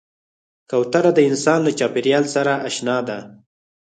کوتره د انسان له چاپېریال سره اشنا ده.